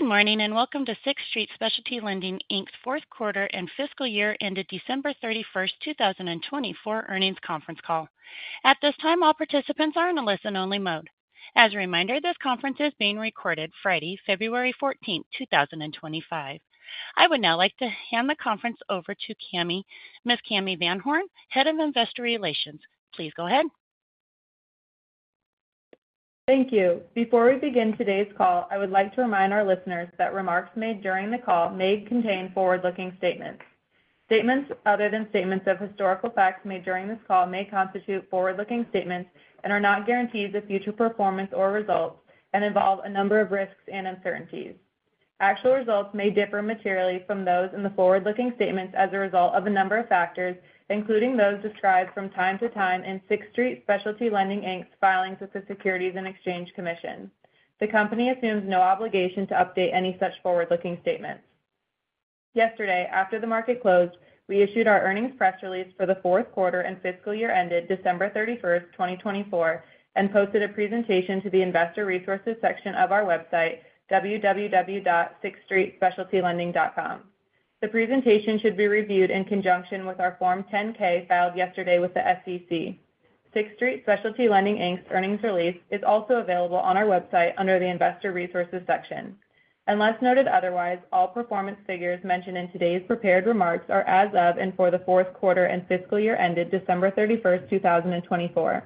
Good morning and welcome to Sixth Street Specialty Lending, Inc.'s fourth quarter and fiscal year ended December 31st, 2024 earnings conference call. At this time, all participants are in a listen-only mode. As a reminder, this conference is being recorded Friday, February 14th, 2025. I would now like to hand the conference over to Cami, Ms. Cami VanHorn, Head of Investor Relations. Please go ahead. Thank you. Before we begin today's call, I would like to remind our listeners that remarks made during the call may contain forward-looking statements. Statements other than statements of historical facts made during this call may constitute forward-looking statements and are not guarantees of future performance or results and involve a number of risks and uncertainties. Actual results may differ materially from those in the forward-looking statements as a result of a number of factors, including those described from time to time in Sixth Street Specialty Lending, Inc.'s filings with the Securities and Exchange Commission. The company assumes no obligation to update any such forward-looking statements. Yesterday, after the market closed, we issued our earnings press release for the fourth quarter and fiscal year ended December 31st, 2024, and posted a presentation to the Investor Resources section of our website, www.sixthstreetspecialtylending.com. The presentation should be reviewed in conjunction with our Form 10-K filed yesterday with the SEC. Sixth Street Specialty Lending, Inc.'s earnings release is also available on our website under the Investor Resources section. Unless noted otherwise, all performance figures mentioned in today's prepared remarks are as of and for the fourth quarter and fiscal year ended December 31st, 2024.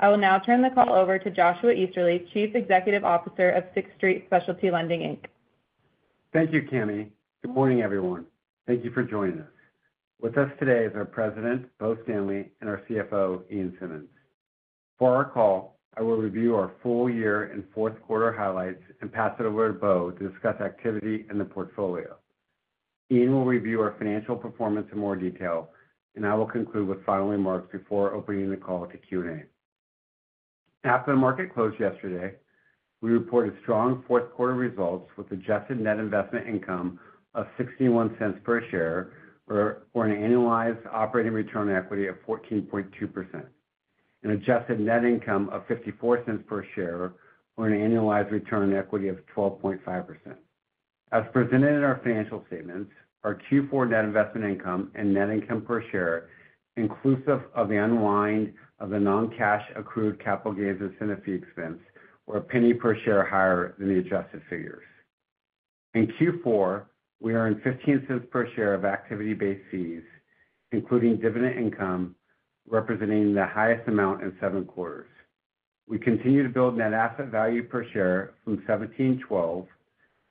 I will now turn the call over to Joshua Easterly, Chief Executive Officer of Sixth Street Specialty Lending, Inc. Thank you, Cami. Good morning, everyone. Thank you for joining us. With us today is our President, Bo Stanley, and our CFO, Ian Simmonds. For our call, I will review our full year and fourth quarter highlights and pass it over to Bo to discuss activity in the portfolio. Ian will review our financial performance in more detail, and I will conclude with final remarks before opening the call to Q&A. After the market closed yesterday, we reported strong fourth quarter results with adjusted net investment income of $0.61 per share for an annualized operating return on equity of 14.2%, an adjusted net income of $0.54 per share for an annualized return on equity of 12.5%. As presented in our financial statements, our Q4 net investment income and net income per share, inclusive of the unwind of the non-cash accrued capital gains and incentive fee expense, were $0.01 per share higher than the adjusted figures. In Q4, we earned $0.15 per share of activity-based fees, including dividend income, representing the highest amount in seven quarters. We continue to build net asset value per share from $17.12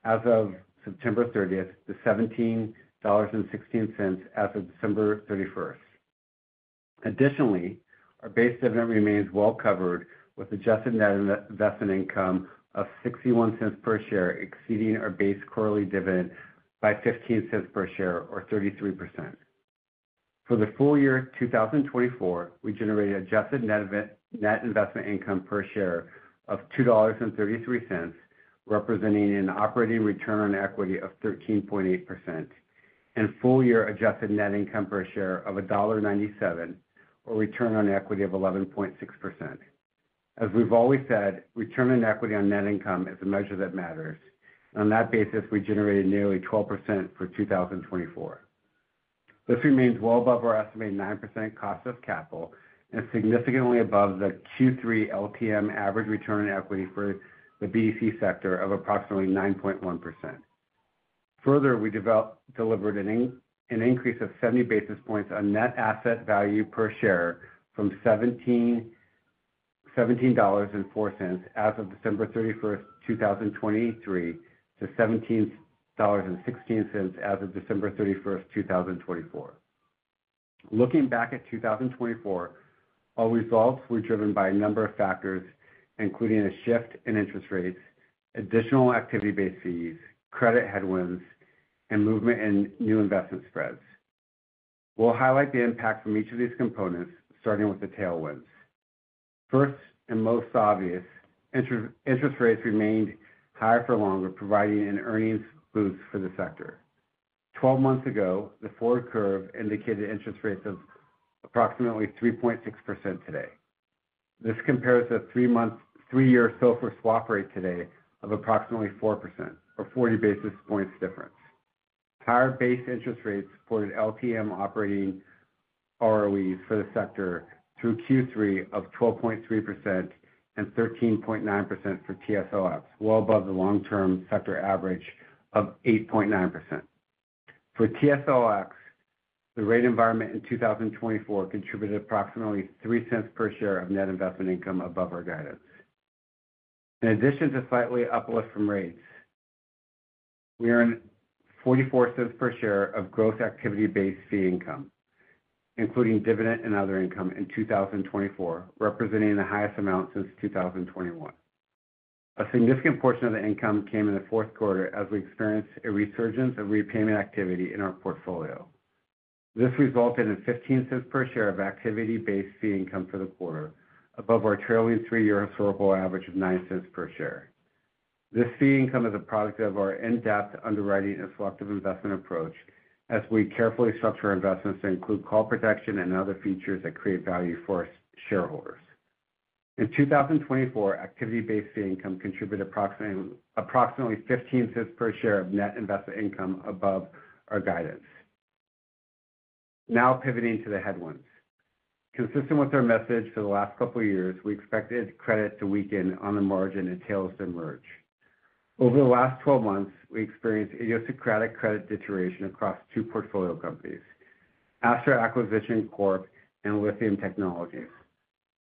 as of September 30th to $17.16 as of December 31st. Additionally, our base dividend remains well covered with adjusted net investment income of $0.61 per share, exceeding our base quarterly dividend by $0.15 per share, or 33%. For the full year 2024, we generated adjusted net investment income per share of $2.33, representing an operating return on equity of 13.8%, and full year adjusted net income per share of $1.97, or return on equity of 11.6%. As we've always said, return on equity on net income is a measure that matters. On that basis, we generated nearly 12% for 2024. This remains well above our estimated 9% cost of capital and significantly above the Q3 LTM average return on equity for the BDC sector of approximately 9.1%. Further, we delivered an increase of 70 basis points on net asset value per share from $17.04 as of December 31st, 2023, to $17.16 as of December 31st, 2024. Looking back at 2024, our results were driven by a number of factors, including a shift in interest rates, additional activity-based fees, credit headwinds, and movement in new investment spreads. We'll highlight the impact from each of these components, starting with the tailwinds. First and most obvious, interest rates remained higher for longer, providing an earnings boost for the sector. 12 months ago, the forward curve indicated interest rates of approximately 3.6% today. This compares to a three-year SOFR swap rate today of approximately 4%, or 40 basis points difference. Higher base interest rates supported LTM operating ROEs for the sector through Q3 of 12.3% and 13.9% for TSLX, well above the long-term sector average of 8.9%. For TSLX, the rate environment in 2024 contributed approximately $0.03 per share of net investment income above our guidance. In addition to slight uplift from rates, we earned $0.44 per share of gross activity-based fee income, including dividend and other income in 2024, representing the highest amount since 2021. A significant portion of the income came in the fourth quarter as we experienced a resurgence of repayment activity in our portfolio. This resulted in $0.15 per share of activity-based fee income for the quarter, above our trailing three-year historical average of $0.09 per share. This fee income is a product of our in-depth underwriting and selective investment approach, as we carefully structure our investments to include call protection and other features that create value for shareholders. In 2024, activity-based fee income contributed approximately $0.15 per share of net investment income above our guidance. Now pivoting to the headwinds. Consistent with our message for the last couple of years, we expected credit to weaken on the margin and tailwinds to emerge. Over the last 12 months, we experienced idiosyncratic credit deterioration across two portfolio companies, Astra Acquisition Corp. and Lithium Technologies,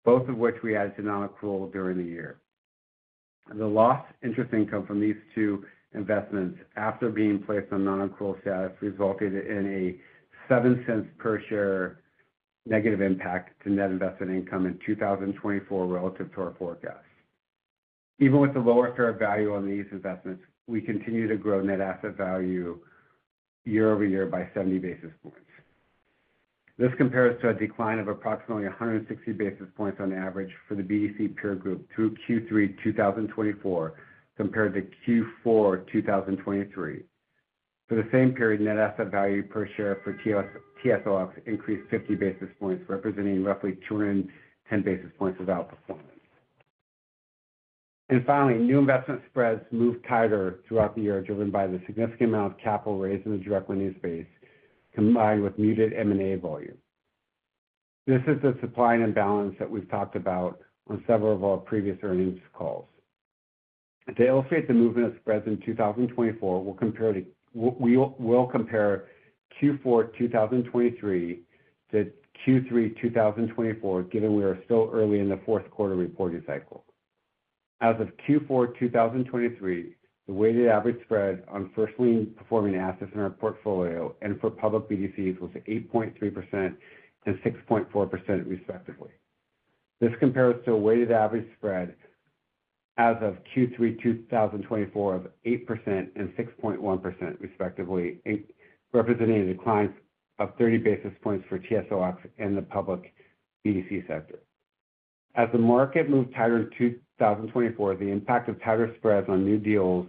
both of which we added to non-accrual during the year. The lost interest income from these two investments, after being placed on non-accrual status, resulted in a $0.07 per share negative impact to net investment income in 2024 relative to our forecast. Even with the lower fair value on these investments, we continue to grow net asset value year over year by 70 basis points. This compares to a decline of approximately 160 basis points on average for the BDC peer group through Q3 2024 compared to Q4 2023. For the same period, net asset value per share for TSLX increased 50 basis points, representing roughly 210 basis points of outperformance. And finally, new investment spreads moved tighter throughout the year, driven by the significant amount of capital raised in the direct lending space, combined with muted M&A volume. This is the supply and imbalance that we've talked about on several of our previous earnings calls. To illustrate the movement of spreads in 2024, we will compare Q4 2023 to Q3 2024, given we are still early in the fourth quarter reporting cycle. As of Q4 2023, the weighted average spread on first-lien performing assets in our portfolio and for public BDCs was 8.3% and 6.4%, respectively. This compares to a weighted average spread as of Q3 2024 of 8% and 6.1%, respectively, representing a decline of 30 basis points for TSLX and the public BDC sector. As the market moved tighter in 2024, the impact of tighter spreads on new deals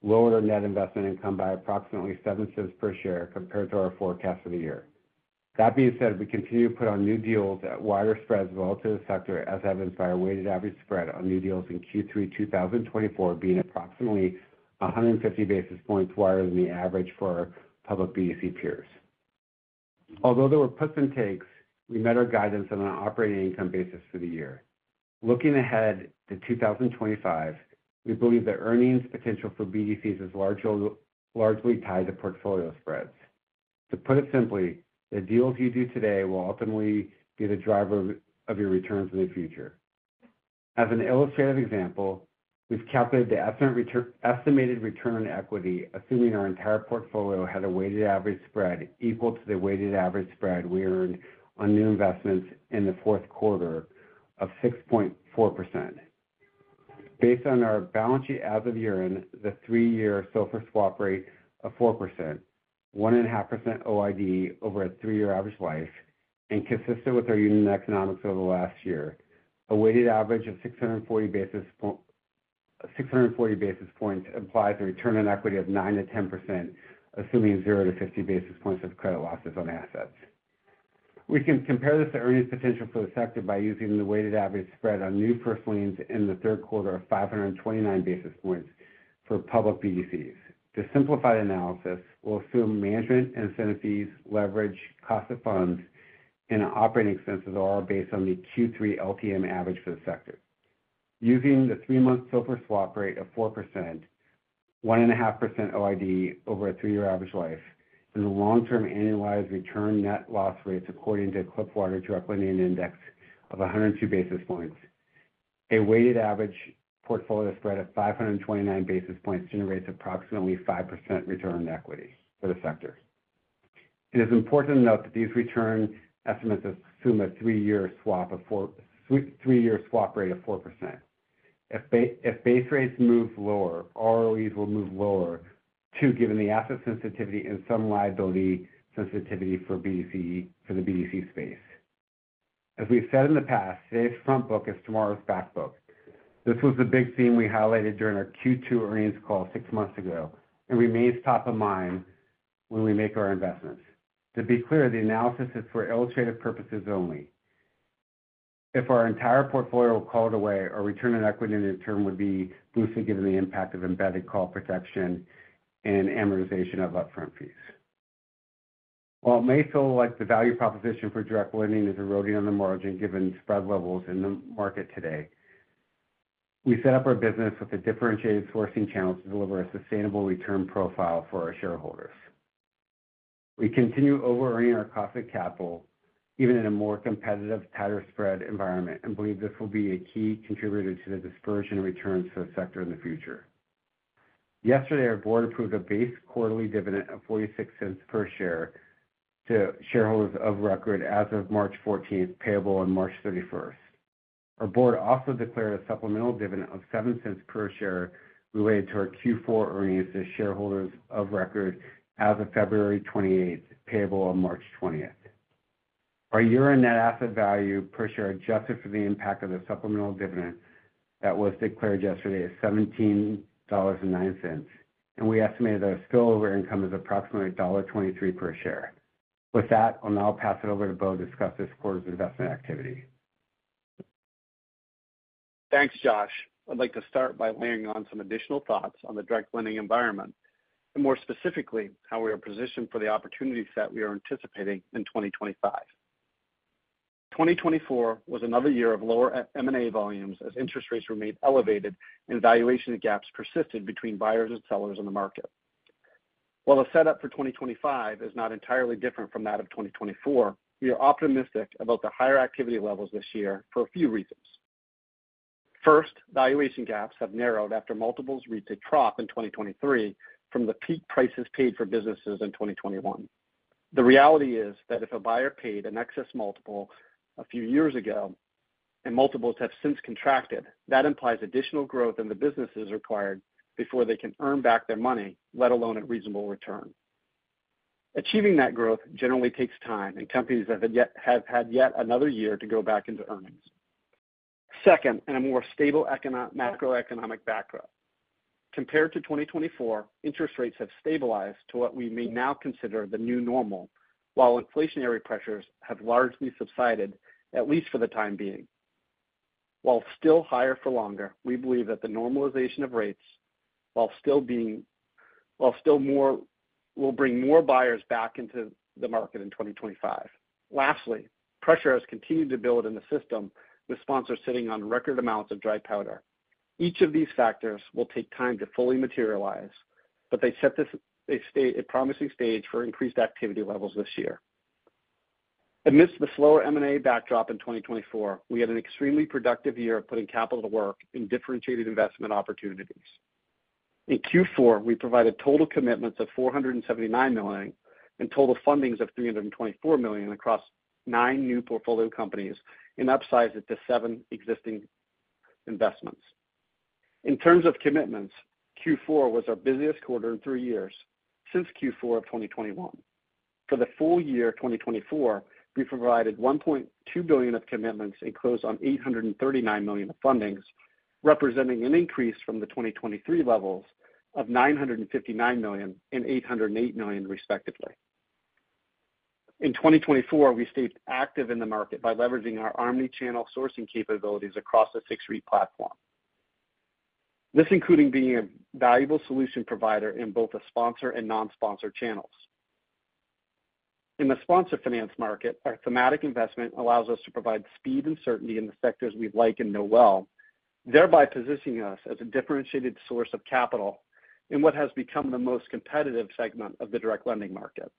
lowered our net investment income by approximately $0.07 per share compared to our forecast for the year. That being said, we continue to put on new deals at wider spreads relative to the sector, as evidenced by our weighted average spread on new deals in Q3 2024 being approximately 150 basis points wider than the average for our public BDC peers. Although there were puts and takes, we met our guidance on an operating income basis for the year. Looking ahead to 2025, we believe the earnings potential for BDCs is largely tied to portfolio spreads. To put it simply, the deals you do today will ultimately be the driver of your returns in the future. As an illustrative example, we've calculated the estimated return on equity, assuming our entire portfolio had a weighted average spread equal to the weighted average spread we earned on new investments in the fourth quarter of 6.4%. Based on our balance sheet as of year-end, the three-year SOFR swap rate of 4%, 1.5% OID over a three-year average life, and consistent with our unit economics over the last year, a weighted average of 640 basis points implies a return on equity of 9%-10%, assuming 0-50 basis points of credit losses on assets. We can compare this to earnings potential for the sector by using the weighted average spread on new first liens in the third quarter of 529 basis points for public BDCs. To simplify the analysis, we'll assume management incentive fees, leverage, cost of funds, and operating expenses are all based on the Q3 LTM average for the sector. Using the three-month SOFR swap rate of 4%, 1.5% OID over a three-year average life, and the long-term annualized return net loss rates according to Cliffwater Direct Lending Index of 102 basis points, a weighted average portfolio spread of 529 basis points generates approximately 5% return on equity for the sector. It is important to note that these return estimates assume a three-year swap rate of 4%. If base rates move lower, ROEs will move lower too, given the asset sensitivity and some liability sensitivity for the BDC space. As we've said in the past, today's front book is tomorrow's back book. This was the big theme we highlighted during our Q2 earnings call six months ago and remains top of mind when we make our investments. To be clear, the analysis is for illustrative purposes only. If our entire portfolio were called away, our return on equity in return would be boosted given the impact of embedded call protection and amortization of upfront fees. While it may feel like the value proposition for direct lending is eroding on the margin given spread levels in the market today, we set up our business with a differentiated sourcing channel to deliver a sustainable return profile for our shareholders. We continue over-earning our cost of capital, even in a more competitive, tighter spread environment, and believe this will be a key contributor to the dispersion of returns for the sector in the future. Yesterday, our board approved a base quarterly dividend of $0.46 per share to shareholders of record as of March 14th, payable on March 31st. Our board also declared a supplemental dividend of $0.07 per share related to our Q4 earnings to shareholders of record as of February 28th, payable on March 20th. Our year-end net asset value per share adjusted for the impact of the supplemental dividend that was declared yesterday is $17.09, and we estimate that our spillover income is approximately $1.23 per share. With that, I'll now pass it over to Bo to discuss this quarter's investment activity. Thanks, Josh. I'd like to start by laying on some additional thoughts on the direct lending environment and, more specifically, how we are positioned for the opportunities that we are anticipating in 2025. 2024 was another year of lower M&A volumes as interest rates remained elevated and valuation gaps persisted between buyers and sellers in the market. While the setup for 2025 is not entirely different from that of 2024, we are optimistic about the higher activity levels this year for a few reasons. First, valuation gaps have narrowed after multiples reached a trough in 2023 from the peak prices paid for businesses in 2021. The reality is that if a buyer paid an excess multiple a few years ago and multiples have since contracted, that implies additional growth in the businesses required before they can earn back their money, let alone a reasonable return. Achieving that growth generally takes time, and companies have had yet another year to go back into earnings. Second, in a more stable macroeconomic backdrop, compared to 2024, interest rates have stabilized to what we may now consider the new normal, while inflationary pressures have largely subsided, at least for the time being. While still higher for longer, we believe that the normalization of rates, while still bringing more buyers back into the market in 2025. Lastly, pressure has continued to build in the system, with sponsors sitting on record amounts of dry powder. Each of these factors will take time to fully materialize, but they set a promising stage for increased activity levels this year. Amidst the slower M&A backdrop in 2024, we had an extremely productive year of putting capital to work in differentiated investment opportunities. In Q4, we provided total commitments of $479 million and total fundings of $324 million across nine new portfolio companies and upsized it to seven existing investments. In terms of commitments, Q4 was our busiest quarter in three years since Q4 of 2021. For the full-year 2024, we provided $1.2 billion of commitments and closed on $839 million of fundings, representing an increase from the 2023 levels of $959 million and $808 million, respectively. In 2024, we stayed active in the market by leveraging our omni-channel sourcing capabilities across the Sixth Street platform, this including being a valuable solution provider in both the sponsor and non-sponsor channels. In the sponsor finance market, our thematic investment allows us to provide speed and certainty in the sectors we like and know well, thereby positioning us as a differentiated source of capital in what has become the most competitive segment of the direct lending market.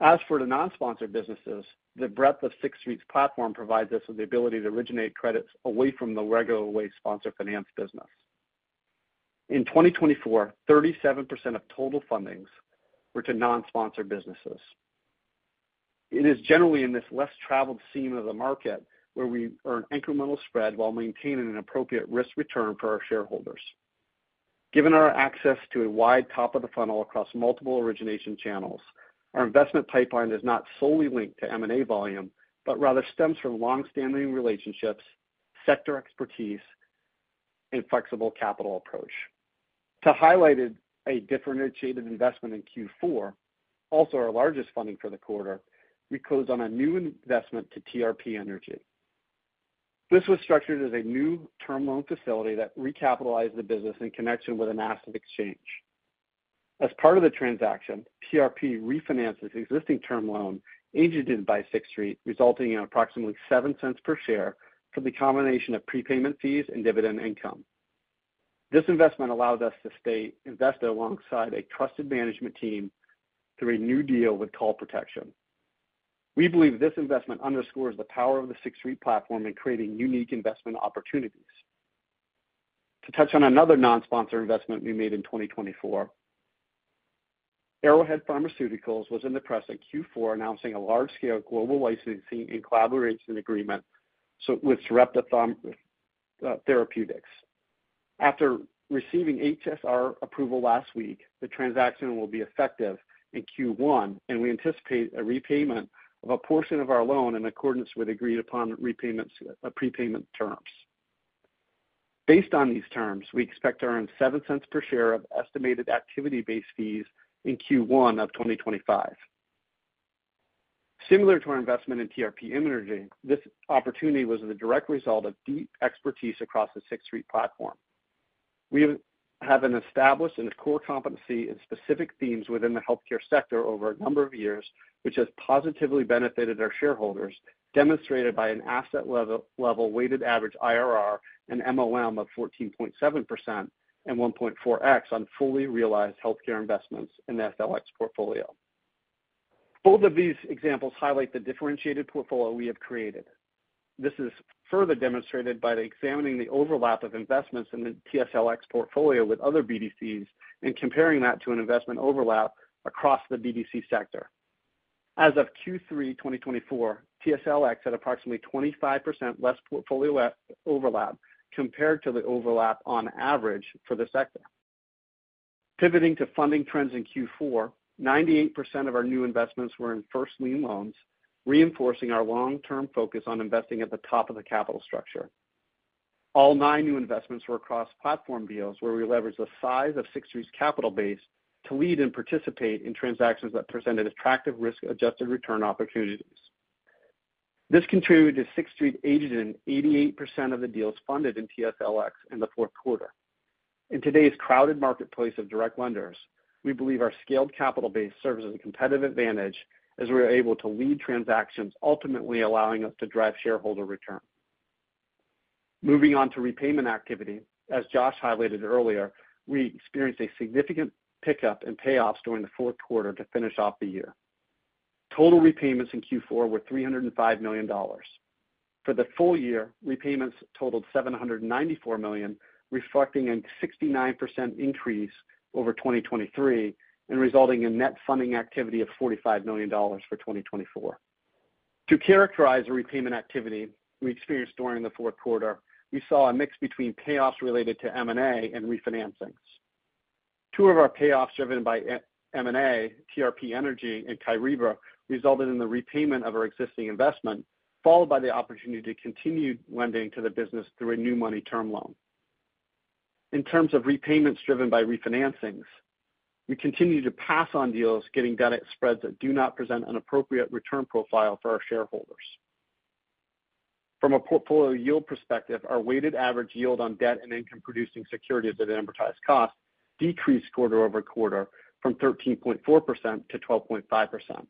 As for the non-sponsored businesses, the breadth of Sixth Street's platform provides us with the ability to originate credits away from the regular way sponsor finance business. In 2024, 37% of total fundings were to non-sponsored businesses. It is generally in this less-traveled seam of the market where we earn incremental spread while maintaining an appropriate risk return for our shareholders. Given our access to a wide top-of-the-funnel across multiple origination channels, our investment pipeline is not solely linked to M&A volume, but rather stems from long-standing relationships, sector expertise, and flexible capital approach. To highlight a differentiated investment in Q4, also our largest funding for the quarter, we closed on a new investment to TRP Energy. This was structured as a new term loan facility that recapitalized the business in connection with an asset exchange. As part of the transaction, TRP refinances existing term loan agented by Sixth Street, resulting in approximately $0.07 per share for the combination of prepayment fees and dividend income. This investment allows us to stay invested alongside a trusted management team through a new deal with call protection. We believe this investment underscores the power of the Sixth Street platform in creating unique investment opportunities. To touch on another non-sponsored investment we made in 2024, Arrowhead Pharmaceuticals was in the press in Q4 announcing a large-scale global licensing and collaboration agreement with Sarepta Therapeutics. After receiving HSR approval last week, the transaction will be effective in Q1, and we anticipate a repayment of a portion of our loan in accordance with agreed-upon prepayment terms. Based on these terms, we expect to earn $0.07 per share of estimated activity-based fees in Q1 of 2025. Similar to our investment in TRP Energy, this opportunity was the direct result of deep expertise across the Sixth Street platform. We have an established and core competency in specific themes within the healthcare sector over a number of years, which has positively benefited our shareholders, demonstrated by an asset-level weighted average IRR and MOM of 14.7% and 1.4x on fully realized healthcare investments in the TSLX portfolio. Both of these examples highlight the differentiated portfolio we have created. This is further demonstrated by examining the overlap of investments in the TSLX portfolio with other BDCs and comparing that to an investment overlap across the BDC sector. As of Q3 2024, TSLX had approximately 25% less portfolio overlap compared to the overlap on average for the sector. Pivoting to funding trends in Q4, 98% of our new investments were in first lien loans, reinforcing our long-term focus on investing at the top of the capital structure. All nine new investments were across platform deals where we leveraged the size of Sixth Street's capital base to lead and participate in transactions that presented attractive risk-adjusted return opportunities. This contributed to Sixth Street agenting 88% of the deals funded in TSLX in the fourth quarter. In today's crowded marketplace of direct lenders, we believe our scaled capital base serves as a competitive advantage as we are able to lead transactions, ultimately allowing us to drive shareholder return. Moving on to repayment activity, as Josh highlighted earlier, we experienced a significant pickup in payoffs during the fourth quarter to finish off the year. Total repayments in Q4 were $305 million. For the full year, repayments totaled $794 million, reflecting a 69% increase over 2023 and resulting in net funding activity of $45 million for 2024. To characterize the repayment activity we experienced during the fourth quarter, we saw a mix between payoffs related to M&A and refinancings. Two of our payoffs driven by M&A, TRP Energy, and Kyriba, resulted in the repayment of our existing investment, followed by the opportunity to continue lending to the business through a new money term loan. In terms of repayments driven by refinancings, we continue to pass on deals getting debt at spreads that do not present an appropriate return profile for our shareholders. From a portfolio yield perspective, our weighted average yield on debt and income-producing securities at amortized cost decreased quarter over quarter from 13.4% to 12.5%.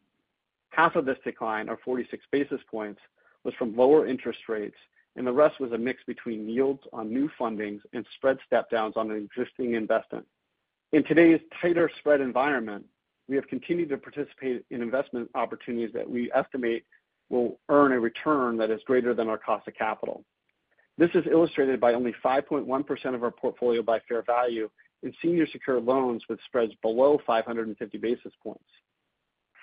Half of this decline, or 46 basis points, was from lower interest rates, and the rest was a mix between yields on new fundings and spread step-downs on an existing investment. In today's tighter spread environment, we have continued to participate in investment opportunities that we estimate will earn a return that is greater than our cost of capital. This is illustrated by only 5.1% of our portfolio by fair value in senior secured loans with spreads below 550 basis points.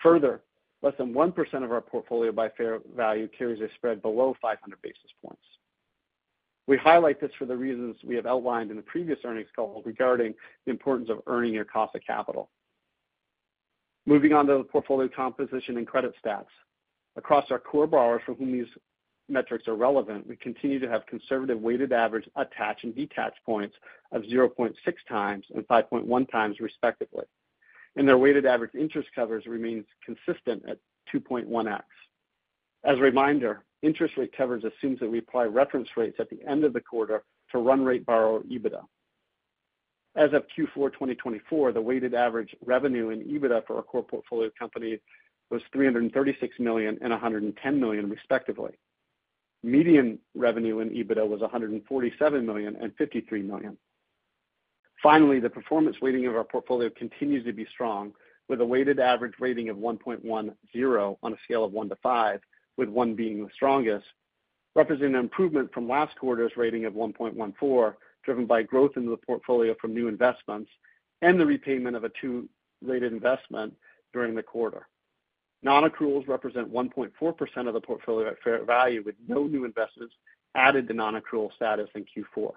Further, less than 1% of our portfolio by fair value carries a spread below 500 basis points. We highlight this for the reasons we have outlined in the previous earnings call regarding the importance of earning your cost of capital. Moving on to the portfolio composition and credit stats, across our core borrowers for whom these metrics are relevant, we continue to have conservative weighted average attach and detach points of 0.6 times and 5.1 times, respectively, and their weighted average interest covers remain consistent at 2.1x. As a reminder, interest rate covers assume that we apply reference rates at the end of the quarter to run rate borrower EBITDA. As of Q4 2024, the weighted average revenue and EBITDA for our core portfolio companies was $336 million and $110 million, respectively. Median revenue and EBITDA was $147 million and $53 million. Finally, the performance rating of our portfolio continues to be strong, with a weighted average rating of 1.10 on a scale of 1 to 5, with 1 being the strongest, representing an improvement from last quarter's rating of 1.14, driven by growth in the portfolio from new investments and the repayment of a two-rated investment during the quarter. Non-accruals represent 1.4% of the portfolio at fair value, with no new investments added to non-accrual status in Q4.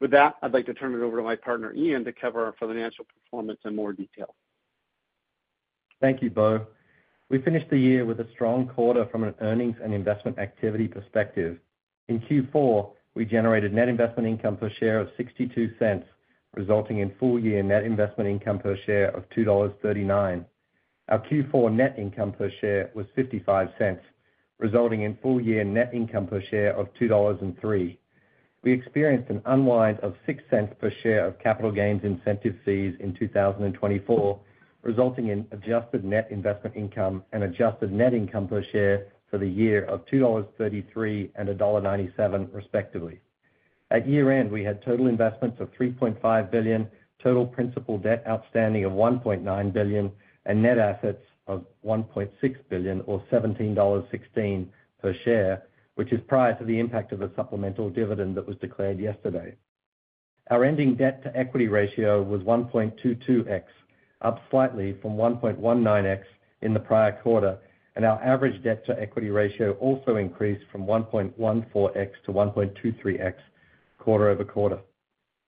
With that, I'd like to turn it over to my partner, Ian, to cover our financial performance in more detail. Thank you, Bo. We finished the year with a strong quarter from an earnings and investment activity perspective. In Q4, we generated net investment income per share of $0.62, resulting in full-year net investment income per share of $2.39. Our Q4 net income per share was $0.55, resulting in full-year net income per share of $2.03. We experienced an unwind of $0.06 per share of capital gains incentive fees in 2024, resulting in adjusted net investment income and adjusted net income per share for the year of $2.33 and $1.97, respectively. At year-end, we had total investments of $3.5 billion, total principal debt outstanding of $1.9 billion, and net assets of $1.6 billion, or $17.16 per share, which is prior to the impact of the supplemental dividend that was declared yesterday. Our ending debt-to-equity ratio was 1.22x, up slightly from 1.19x in the prior quarter, and our average debt-to-equity ratio also increased from 1.14x to 1.23x quarter over quarter.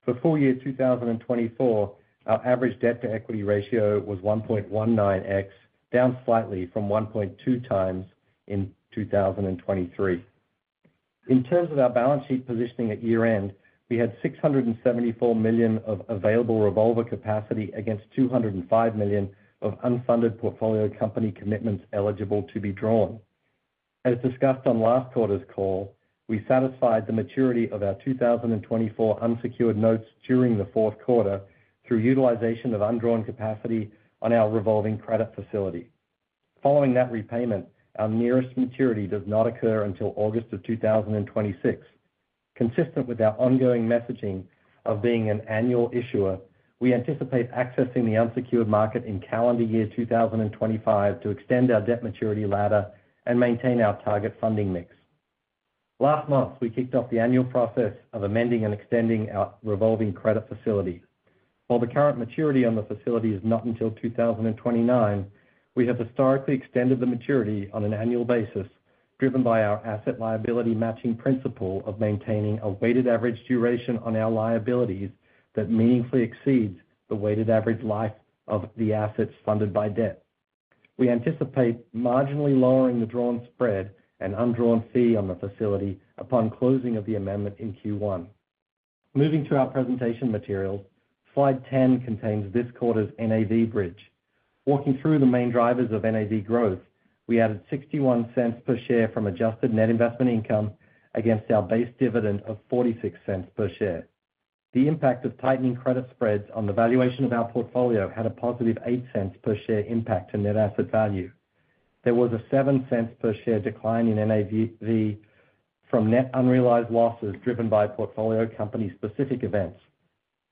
For full-year 2024, our average debt-to-equity ratio was 1.19x, down slightly from 1.2x in 2023. In terms of our balance sheet positioning at year-end, we had $674 million of available revolver capacity against $205 million of unfunded portfolio company commitments eligible to be drawn. As discussed on last quarter's call, we satisfied the maturity of our 2024 unsecured notes during the fourth quarter through utilization of undrawn capacity on our revolving credit facility. Following that repayment, our nearest maturity does not occur until August of 2026. Consistent with our ongoing messaging of being an annual issuer, we anticipate accessing the unsecured market in calendar year 2025 to extend our debt maturity ladder and maintain our target funding mix. Last month, we kicked off the annual process of amending and extending our revolving credit facility. While the current maturity on the facility is not until 2029, we have historically extended the maturity on an annual basis, driven by our asset liability matching principle of maintaining a weighted average duration on our liabilities that meaningfully exceeds the weighted average life of the assets funded by debt. We anticipate marginally lowering the drawn spread and undrawn fee on the facility upon closing of the amendment in Q1. Moving to our presentation materials, slide 10 contains this quarter's NAV bridge. Walking through the main drivers of NAV growth, we added $0.61 per share from adjusted net investment income against our base dividend of $0.46 per share. The impact of tightening credit spreads on the valuation of our portfolio had a positive $0.08 per share impact to net asset value. There was a $0.07 per share decline in NAV from net unrealized losses driven by portfolio company-specific events.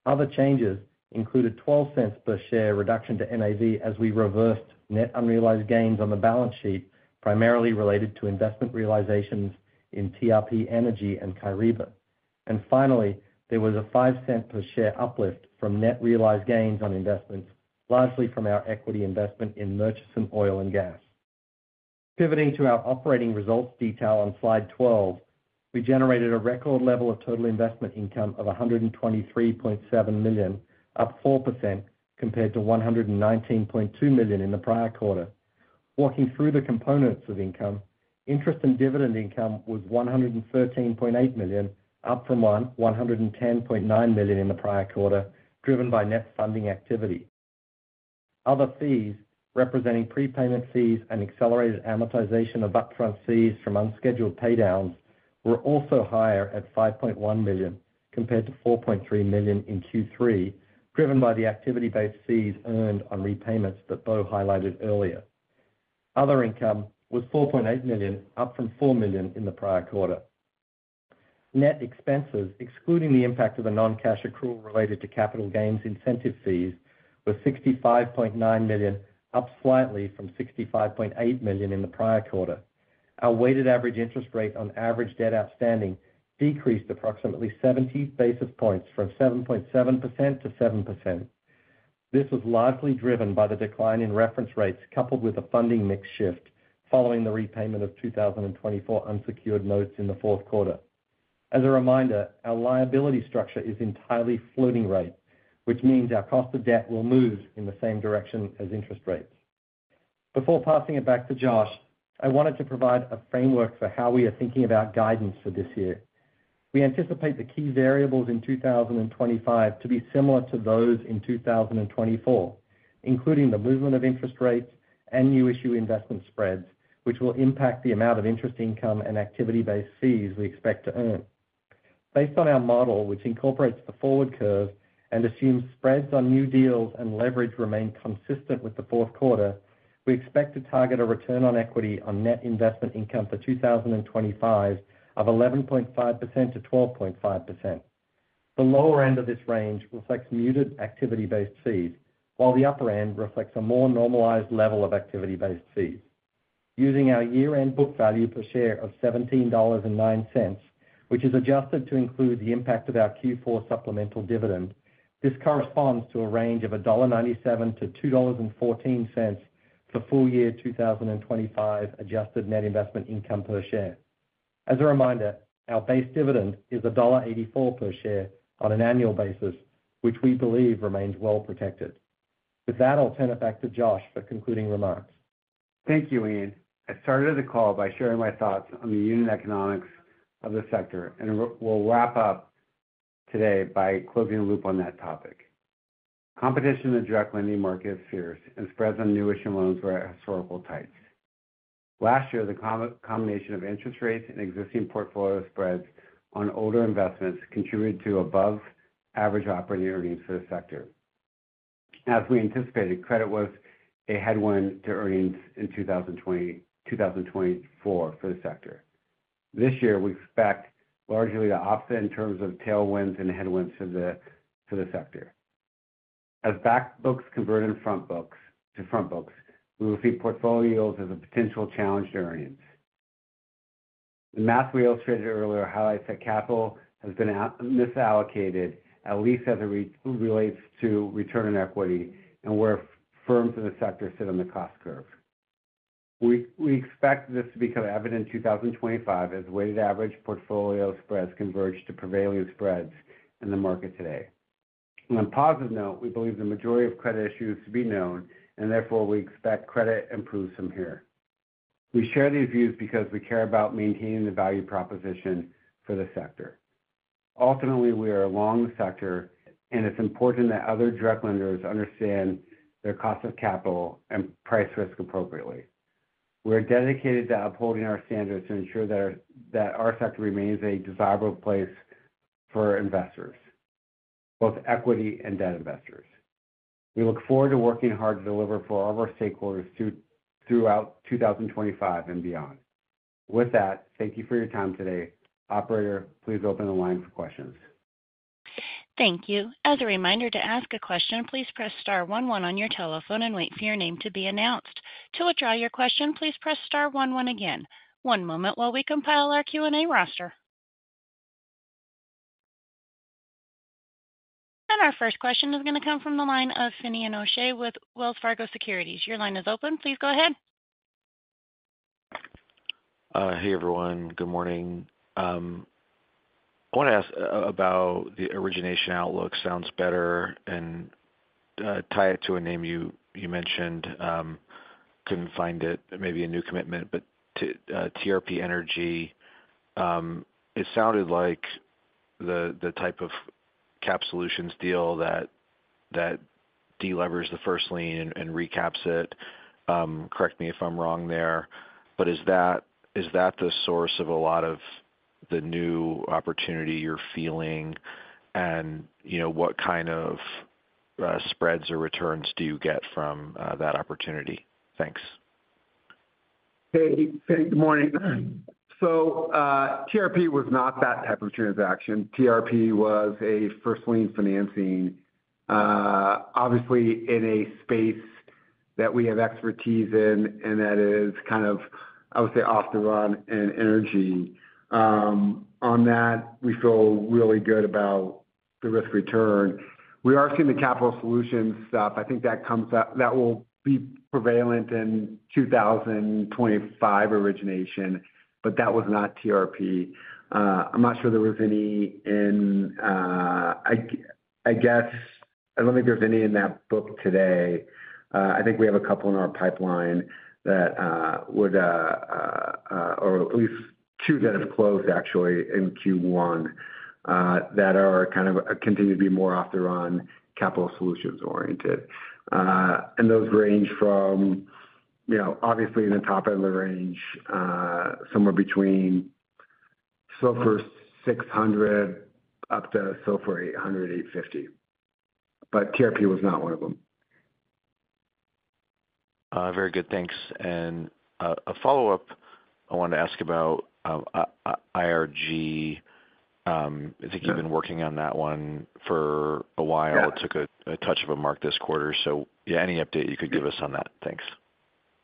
Other changes included $0.12 per share reduction to NAV as we reversed net unrealized gains on the balance sheet, primarily related to investment realizations in TRP Energy and Kyriba. And finally, there was a $0.05 per share uplift from net realized gains on investments, largely from our equity investment in Murchison Oil and Gas. Pivoting to our operating results detail on slide 12, we generated a record level of total investment income of $123.7 million, up 4% compared to $119.2 million in the prior quarter. Walking through the components of income, interest and dividend income was $113.8 million, up from $110.9 million in the prior quarter, driven by net funding activity. Other fees, representing prepayment fees and accelerated amortization of upfront fees from unscheduled paydowns, were also higher at $5.1 million compared to $4.3 million in Q3, driven by the activity-based fees earned on repayments that Bo highlighted earlier. Other income was $4.8 million, up from $4 million in the prior quarter. Net expenses, excluding the impact of the non-cash accrual related to capital gains incentive fees, were $65.9 million, up slightly from $65.8 million in the prior quarter. Our weighted average interest rate on average debt outstanding decreased approximately 70 basis points from 7.7% to 7%. This was largely driven by the decline in reference rates coupled with a funding mix shift following the repayment of 2024 unsecured notes in the fourth quarter. As a reminder, our liability structure is entirely floating rate, which means our cost of debt will move in the same direction as interest rates. Before passing it back to Josh, I wanted to provide a framework for how we are thinking about guidance for this year. We anticipate the key variables in 2025 to be similar to those in 2024, including the movement of interest rates and new issue investment spreads, which will impact the amount of interest income and activity-based fees we expect to earn. Based on our model, which incorporates the forward curve and assumes spreads on new deals and leverage remain consistent with the fourth quarter, we expect to target a return on equity on net investment income for 2025 of 11.5%-12.5%. The lower end of this range reflects muted activity-based fees, while the upper end reflects a more normalized level of activity-based fees. Using our year-end book value per share of $17.09, which is adjusted to include the impact of our Q4 supplemental dividend, this corresponds to a range of $1.97-$2.14 for full-year 2025 adjusted net investment income per share. As a reminder, our base dividend is $1.84 per share on an annual basis, which we believe remains well protected. With that, I'll turn it back to Josh for concluding remarks. Thank you, Ian. I started the call by sharing my thoughts on the unit economics of the sector and will wrap up today by closing the loop on that topic. Competition in the direct lending market is fierce, and spreads on new issue loans were at historical tights. Last year, the combination of interest rates and existing portfolio spreads on older investments contributed to above-average operating earnings for the sector. As we anticipated, credit was a headwind to earnings in 2024 for the sector. This year, we expect largely to offset in terms of tailwinds and headwinds for the sector. As back books converted to front books, we will see portfolio yields as a potential challenge to earnings. The math we illustrated earlier highlights that capital has been misallocated, at least as it relates to return on equity and where firms in the sector sit on the cost curve. We expect this to become evident in 2025 as weighted average portfolio spreads converge to prevailing spreads in the market today. On a positive note, we believe the majority of credit issues to be known, and therefore we expect credit improves from here. We share these views because we care about maintaining the value proposition for the sector. Ultimately, we are aligned with the sector, and it's important that other direct lenders understand their cost of capital and price risk appropriately. We are dedicated to upholding our standards to ensure that our sector remains a desirable place for investors, both equity and debt investors. We look forward to working hard to deliver for all of our stakeholders throughout 2025 and beyond. With that, thank you for your time today. Operator, please open the line for questions. Thank you. As a reminder, to ask a question, please press star one one on your telephone and wait for your name to be announced. To withdraw your question, please press star one one again. One moment while we compile our Q&A roster. And our first question is going to come from the line of Finian O'Shea with Wells Fargo Securities. Your line is open. Please go ahead. Hey, everyone. Good morning. I want to ask about the origination outlook sounds better and tie it to a name you mentioned. Couldn't find it. Maybe a new commitment, but to TRP Energy. It sounded like the type of capital solutions deal that delivers the first lien and recaps it. Correct me if I'm wrong there. But is that the source of a lot of the new opportunity you're feeling? And what kind of spreads or returns do you get from that opportunity? Thanks. Hey, good morning. So TRP was not that type of transaction. TRP was a first lien financing, obviously in a space that we have expertise in and that is kind of, I would say, off the run in energy. On that, we feel really good about the risk-return. We are seeing the capital solution stuff. I think that will be prevalent in 2025 origination, but that was not TRP. I'm not sure there was any in, I guess, I don't think there's any in that book today. I think we have a couple in our pipeline that would, or at least two that have closed, actually, in Q1 that are kind of continue to be more off the run capital solutions oriented. And those range from, obviously, in the top end of the range, somewhere between SOFR 600 up to SOFR 800, 850. But TRP was not one of them. Very good. Thanks. And a follow-up I wanted to ask about IRG. I think you've been working on that one for a while. It took a touch of a markdown this quarter. So yeah, any update you could give us on that? Thanks.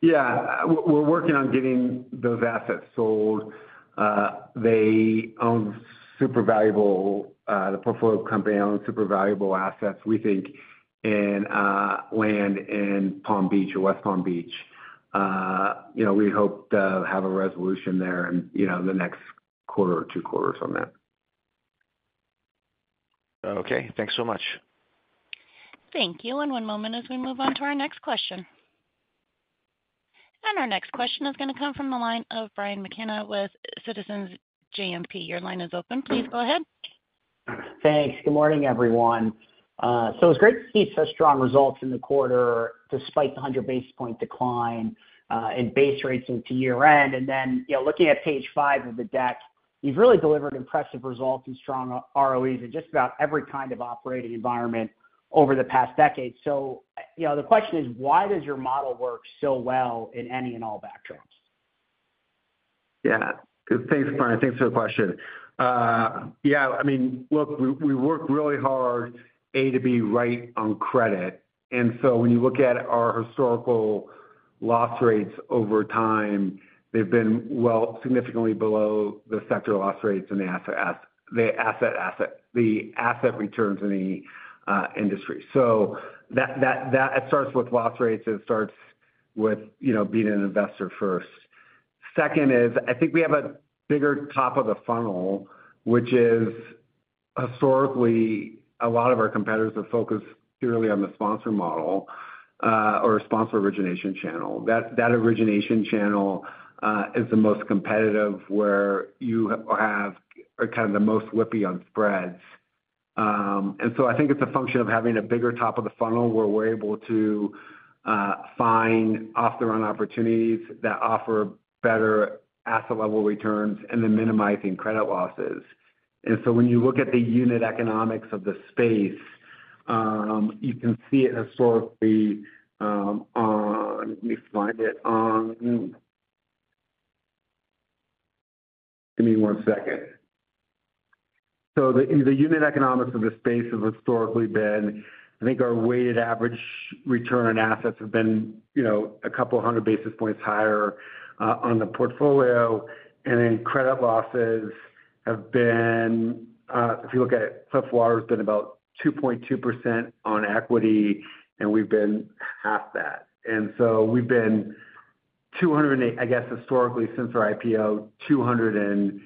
Yeah. We're working on getting those assets sold. They own super valuable, the portfolio company owns super valuable assets, we think, in land in Palm Beach or West Palm Beach. We hope to have a resolution there in the next quarter or two quarters on that. Okay. Thanks so much. Thank you. And one moment as we move on to our next question. And our next question is going to come from the line of Brian McKenna with Citizens JMP. Your line is open. Please go ahead. Thanks. Good morning, everyone. So it's great to see such strong results in the quarter despite the 100 basis point decline in base rates into year-end. And then looking at page five of the deck, you've really delivered impressive results and strong ROEs in just about every kind of operating environment over the past decade. So the question is, why does your model work so well in any and all backdrops? Yeah. Thanks, Brian. Thanks for the question. Yeah. I mean, look, we work really hard to be right on credit. And so when you look at our historical loss rates over time, they've been well, significantly below the sector loss rates and the asset returns in the industry. So that starts with loss rates. It starts with being an investor first. Second is, I think we have a bigger top of the funnel, which is historically a lot of our competitors have focused purely on the sponsor model or sponsor origination channel. That origination channel is the most competitive where you have kind of the most whipsaw on spreads. And so I think it's a function of having a bigger top of the funnel where we're able to find off-the-run opportunities that offer better asset-level returns and then minimizing credit losses. And so when you look at the unit economics of the space, you can see it historically on, let me find it, on, give me one second. So the unit economics of the space have historically been, I think our weighted average return on assets have been a couple of hundred basis points higher on the portfolio. And then credit losses have been, if you look at Cliffwater, it's been about 2.2% on equity, and we've been half that. And so we've been, I guess, historically since our IPO, 280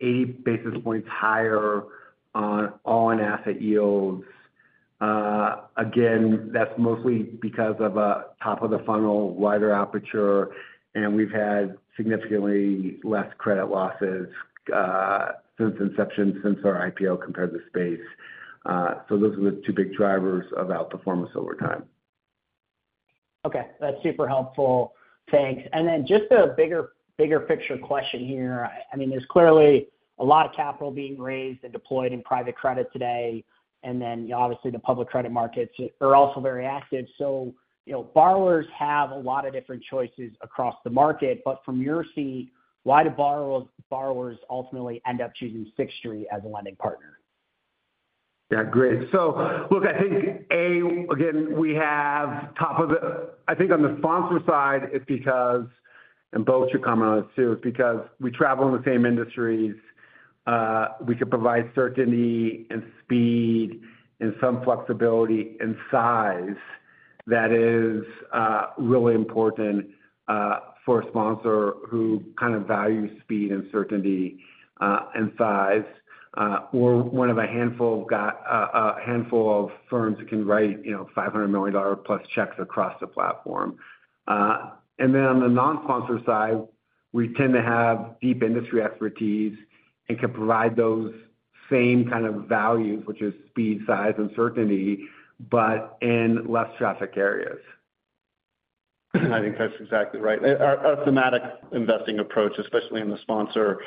basis points higher on all-in asset yields. Again, that's mostly because of a top of the funnel, wider aperture, and we've had significantly less credit losses since inception, since our IPO compared to the space. So those are the two big drivers of outperformance over time. Okay. That's super helpful. Thanks. And then just a bigger picture question here. I mean, there's clearly a lot of capital being raised and deployed in private credit today. And then obviously the public credit markets are also very active. So borrowers have a lot of different choices across the market. But from your seat, why do borrowers ultimately end up choosing Sixth Street as a lending partner? Yeah. Great. So look, I think, A, again, we have top of the, I think on the sponsor side, it's because, and Bo should comment on this too, it's because we travel in the same industries. We can provide certainty and speed and some flexibility and size that is really important for a sponsor who kind of values speed and certainty and size. We're one of a handful of firms that can write $500 million plus checks across the platform. And then on the non-sponsor side, we tend to have deep industry expertise and can provide those same kind of values, which is speed, size, and certainty, but in less traffic areas. I think that's exactly right. Our thematic investing approach, especially in the sponsor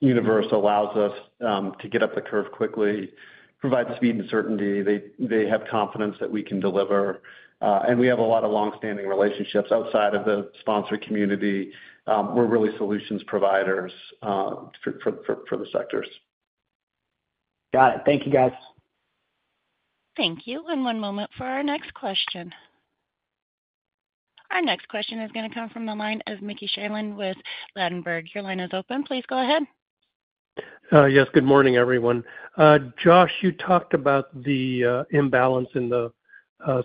universe, allows us to get up the curve quickly, provide speed and certainty. They have confidence that we can deliver. We have a lot of long-standing relationships outside of the sponsor community. We're really solutions providers for the sectors. Got it. Thank you, guys. Thank you. And one moment for our next question. Our next question is going to come from the line of Mickey Schleien with Ladenburg Thalmann. Your line is open. Please go ahead. Yes. Good morning, everyone. Josh, you talked about the imbalance in the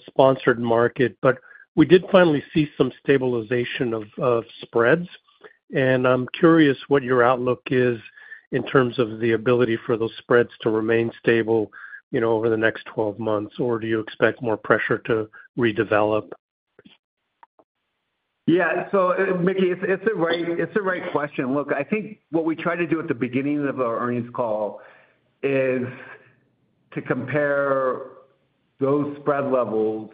sponsored market, but we did finally see some stabilization of spreads, and I'm curious what your outlook is in terms of the ability for those spreads to remain stable over the next 12 months, or do you expect more pressure to redevelop? Yeah. So Mickey, it's a right question. Look, I think what we tried to do at the beginning of our earnings call is to compare those spread levels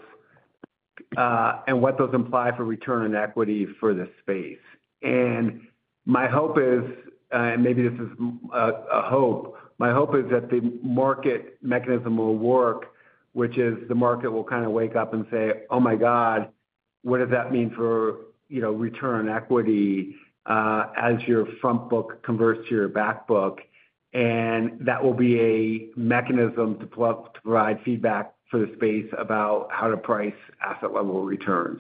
and what those imply for return on equity for the space. And my hope is, and maybe this is a hope, my hope is that the market mechanism will work, which is the market will kind of wake up and say, "Oh my God, what does that mean for return on equity as your front book converts to your back book?" And that will be a mechanism to provide feedback for the space about how to price asset-level returns.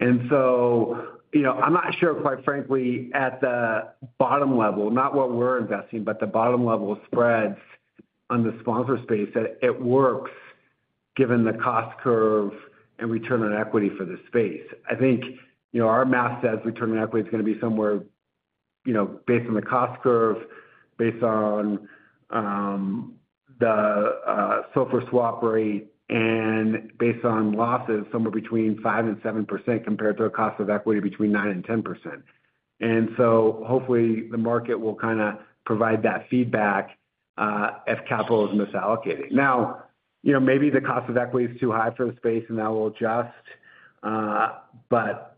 And so I'm not sure, quite frankly, at the bottom level, not what we're investing, but the bottom-level spreads on the sponsor space, that it works given the cost curve and return on equity for the space. I think our math says return on equity is going to be somewhere based on the cost curve, based on the SOFR swap rate, and based on losses, somewhere between 5% and 7% compared to a cost of equity between 9% and 10%, and so hopefully the market will kind of provide that feedback if capital is misallocated. Now, maybe the cost of equity is too high for the space, and that will adjust, but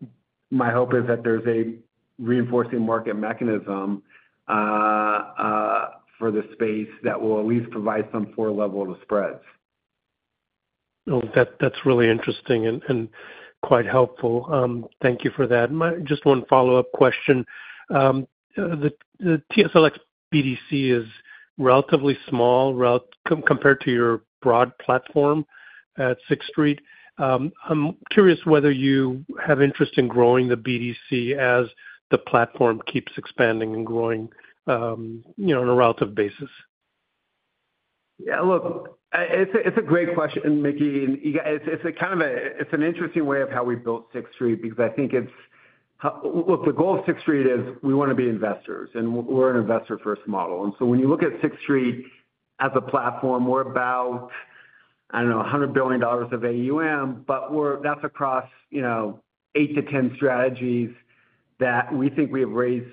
my hope is that there's a reinforcing market mechanism for the space that will at least provide some floor level to spreads. Oh, that's really interesting and quite helpful. Thank you for that. Just one follow-up question. The TSLX BDC is relatively small compared to your broad platform at Sixth Street. I'm curious whether you have interest in growing the BDC as the platform keeps expanding and growing on a relative basis. Yeah. Look, it's a great question, Mickey. It's kind of an interesting way of how we built Sixth Street because I think it's, look, the goal of Sixth Street is we want to be investors, and we're an investor-first model, and so when you look at Sixth Street as a platform, we're about, I don't know, $100 billion of AUM, but that's across 8 to 10 strategies that we think we have raised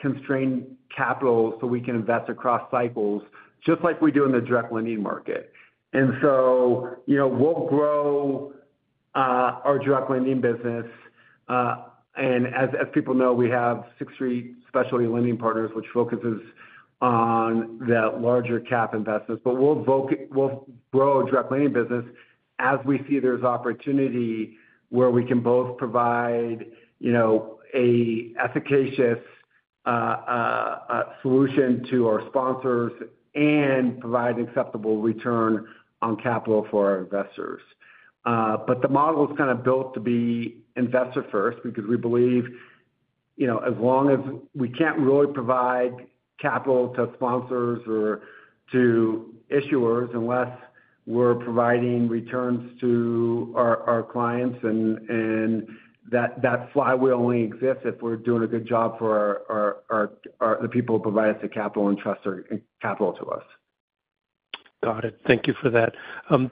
constrained capital so we can invest across cycles just like we do in the direct lending market. And so we'll grow our direct lending business, and as people know, we have Sixth Street Specialty Lending Partners, which focuses on the larger cap investments, but we'll grow a direct lending business as we see there's opportunity where we can both provide an efficacious solution to our sponsors and provide acceptable return on capital for our investors. But the model is kind of built to be investor-first because we believe as long as we can't really provide capital to sponsors or to issuers unless we're providing returns to our clients, and that flywheel only exists if we're doing a good job for the people who provide us the capital and trust capital to us. Got it. Thank you for that.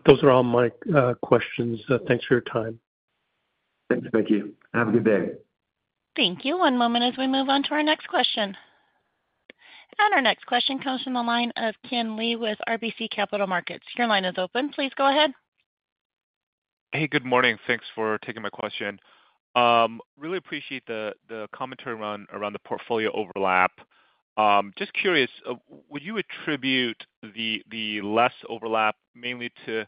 Those are all my questions. Thanks for your time. Thanks, Mickey. Have a good day. Thank you. One moment as we move on to our next question, and our next question comes from the line of Ken Lee with RBC Capital Markets. Your line is open. Please go ahead. Hey, good morning. Thanks for taking my question. Really appreciate the commentary around the portfolio overlap. Just curious, would you attribute the less overlap mainly to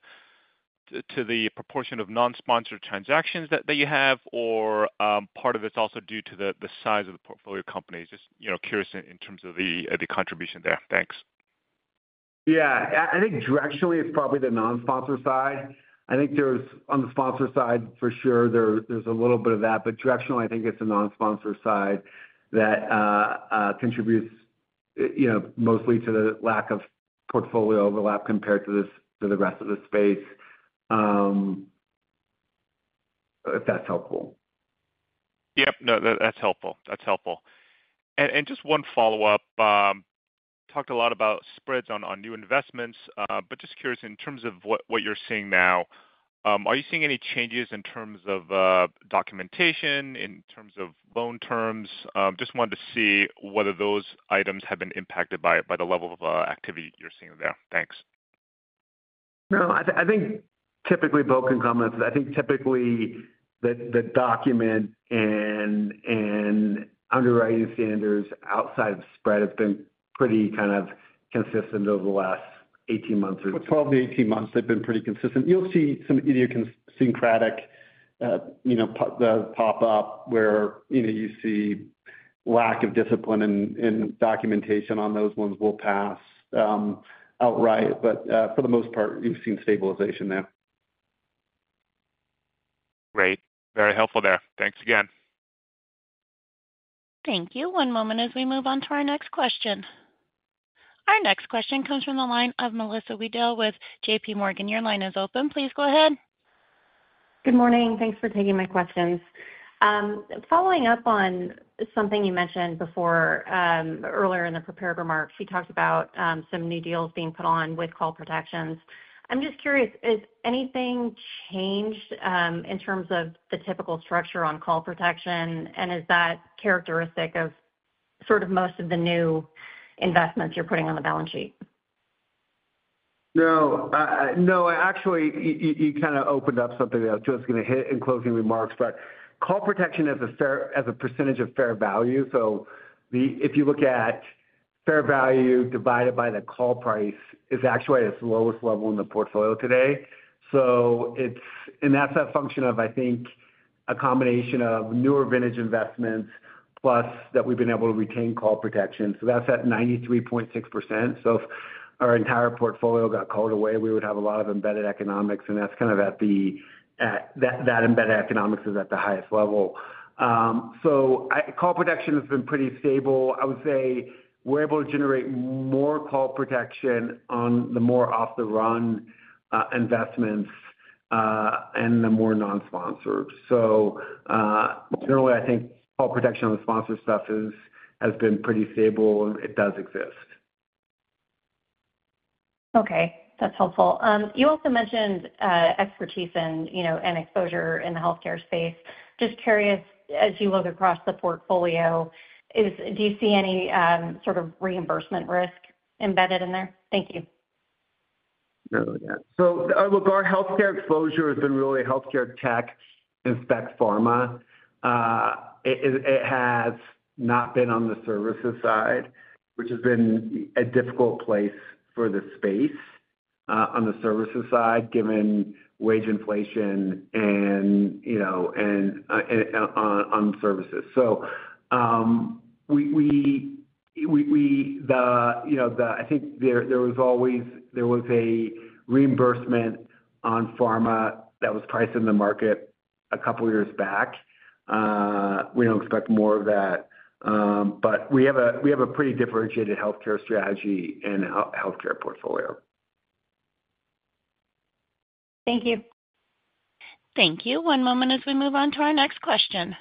the proportion of non-sponsored transactions that you have, or part of it's also due to the size of the portfolio company? Just curious in terms of the contribution there. Thanks. Yeah. I think directionally, it's probably the non-sponsor side. I think on the sponsor side, for sure, there's a little bit of that. But directionally, I think it's the non-sponsor side that contributes mostly to the lack of portfolio overlap compared to the rest of the space, if that's helpful. Yep. No, that's helpful. That's helpful. And just one follow-up. Talked a lot about spreads on new investments, but just curious in terms of what you're seeing now, are you seeing any changes in terms of documentation, in terms of loan terms? Just wanted to see whether those items have been impacted by the level of activity you're seeing there. Thanks. No. I think typically, Bo can comment. I think typically the document and underwriting standards outside of spread have been pretty kind of consistent over the last 18 months or so. Probably 18 months, they've been pretty consistent. You'll see some idiosyncratic pop-up where you see lack of discipline and documentation on those ones will pass outright. But for the most part, you've seen stabilization there. Great. Very helpful there. Thanks again. Thank you. One moment as we move on to our next question. Our next question comes from the line of Melissa Wedel with JPMorgan. Your line is open. Please go ahead. Good morning. Thanks for taking my questions. Following up on something you mentioned earlier in the prepared remarks, you talked about some new deals being put on with call protections. I'm just curious, has anything changed in terms of the typical structure on call protection, and is that characteristic of sort of most of the new investments you're putting on the balance sheet? No. No, actually, you kind of opened up something that I was just going to hit in closing remarks, but call protection as a percentage of fair value. So if you look at fair value divided by the call price, it's actually at its lowest level in the portfolio today, and that's a function of, I think, a combination of newer vintage investments plus that we've been able to retain call protection, so that's at 93.6%. So if our entire portfolio got called away, we would have a lot of embedded economics, and that's kind of at the embedded economics is at the highest level. So call protection has been pretty stable. I would say we're able to generate more call protection on the more off-the-run investments and the more non-sponsored, so generally, I think call protection on the sponsor stuff has been pretty stable, and it does exist. Okay. That's helpful. You also mentioned expertise and exposure in the healthcare space. Just curious, as you look across the portfolio, do you see any sort of reimbursement risk embedded in there? Thank you. No. Yeah. So look, our healthcare exposure has been really healthcare tech, in fact, pharma. It has not been on the services side, which has been a difficult place for the space on the services side given wage inflation and on services. So I think there was always a reimbursement on pharma that was priced in the market a couple of years back. We don't expect more of that. But we have a pretty differentiated healthcare strategy and healthcare portfolio. Thank you. Thank you. One moment as we move on to our next question.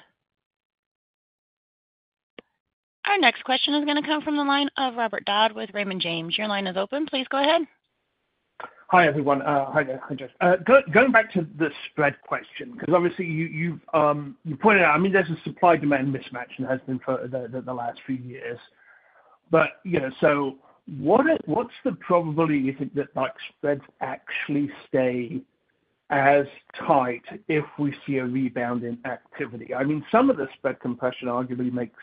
Our next question is going to come from the line of Robert Dodd with Raymond James. Your line is open. Please go ahead. Hi, everyone. Hi, Josh. Going back to the spread question, because obviously you pointed out, I mean, there's a supply-demand mismatch that has been for the last few years. But so what's the probability you think that spreads actually stay as tight if we see a rebound in activity? I mean, some of the spread compression arguably makes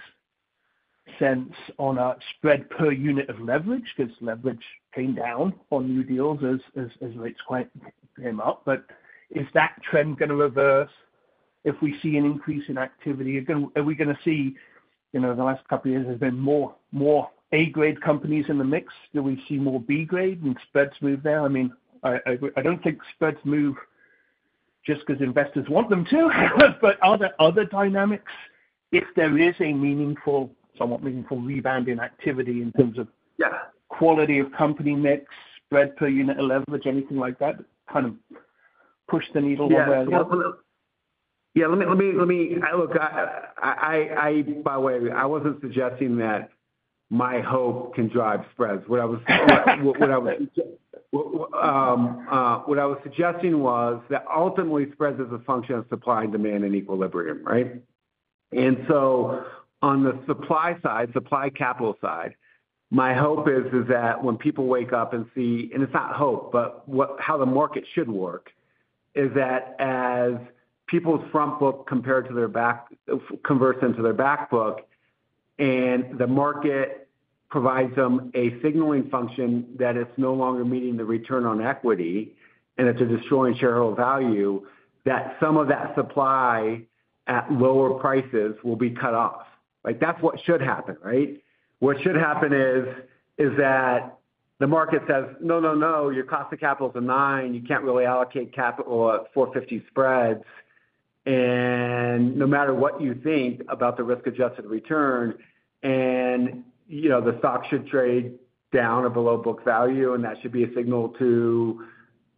sense on a spread per unit of leverage because leverage came down on new deals as rates came up. But is that trend going to reverse if we see an increase in activity? Are we going to see the last couple of years there's been more A-grade companies in the mix? Do we see more B-grade and spreads move there? I mean, I don't think spreads move just because investors want them to, but are there other dynamics if there is a somewhat meaningful rebound in activity in terms of quality of company mix, spread per unit of leverage, anything like that kind of push the needle one way or the other? Yeah. Let me look. By the way, I wasn't suggesting that my hope can drive spreads. What I was suggesting was that ultimately spreads are a function of supply and demand and equilibrium, right? And so on the supply side, supply capital side, my hope is that when people wake up and see, and it's not hope, but how the market should work, is that as people's front book converts into their back book and the market provides them a signaling function that it's no longer meeting the return on equity and it's a destroying shareholder value, that some of that supply at lower prices will be cut off. That's what should happen, right? What should happen is that the market says, "No, no, no. Your cost of capital is a nine. You can't really allocate capital at 450 spreads," and no matter what you think about the risk-adjusted return, the stock should trade down or below book value, and that should be a signal to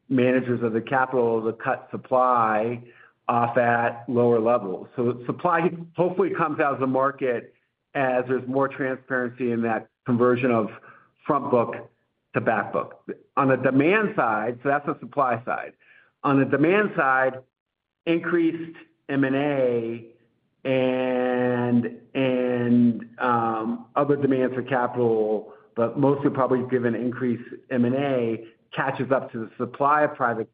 managers of the capital to cut supply off at lower levels, so supply hopefully comes out of the market as there's more transparency in that conversion of front book to back book. On the demand side, so that's the supply side. On the demand side, increased M&A and other demands for capital, but mostly probably given increased M&A, catches up to the supply of private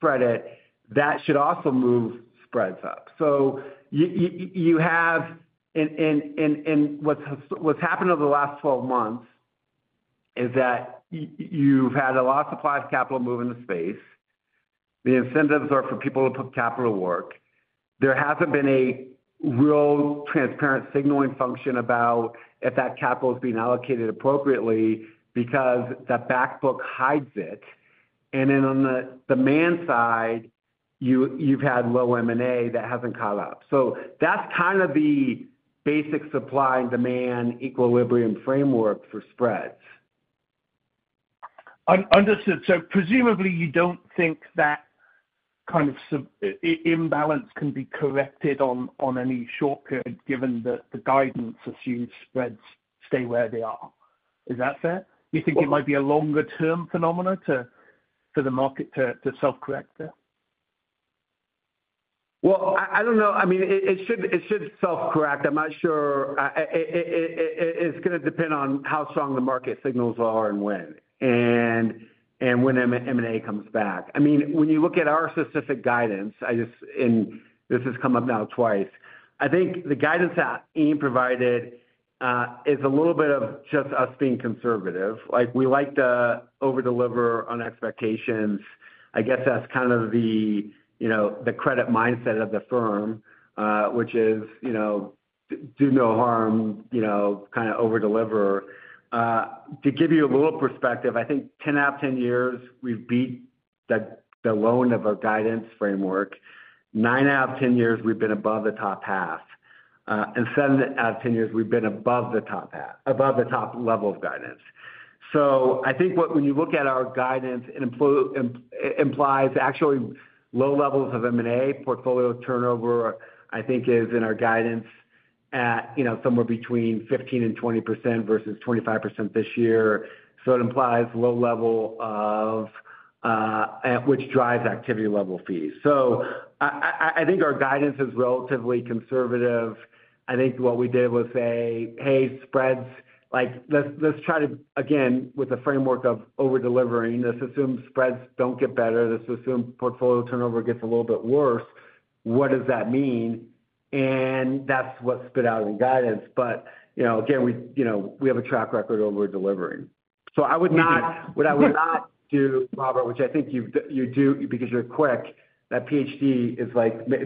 credit. That should also move spreads up, so you have, and what's happened over the last 12 months is that you've had a lot of supply of capital move in the space. The incentives are for people to put capital to work. There hasn't been a real transparent signaling function about if that capital is being allocated appropriately because that back book hides it. And then on the demand side, you've had low M&A that hasn't caught up. So that's kind of the basic supply and demand equilibrium framework for spreads. Understood. So presumably, you don't think that kind of imbalance can be corrected on any short-term given that the guidance assumes spreads stay where they are. Is that fair? You think it might be a longer-term phenomenon for the market to self-correct there? I don't know. I mean, it should self-correct. I'm not sure. It's going to depend on how strong the market signals are and when M&A comes back. I mean, when you look at our specific guidance, and this has come up now twice, I think the guidance that Ian provided is a little bit of just us being conservative. We like to overdeliver on expectations. I guess that's kind of the credit mindset of the firm, which is do no harm, kind of overdeliver. To give you a little perspective, I think 10 out of 10 years, we've beat the low end of our guidance framework. 9 out of 10 years, we've been above the high end. And 7 out of 10 years, we've been above the high end, above the top level of guidance. I think when you look at our guidance, it implies actually low levels of M&A. Portfolio turnover, I think, is in our guidance at somewhere between 15% and 20% versus 25% this year. So it implies low level of which drives activity-based fees. So I think our guidance is relatively conservative. I think what we did was say, "Hey, spreads, let's try to, again, with the framework of overdelivering. Let's assume spreads don't get better. Let's assume portfolio turnover gets a little bit worse. What does that mean?" And that's what spit out in guidance. But again, we have a track record of overdelivering. So I would not do Robert, which I think you do because you're quick. That PhD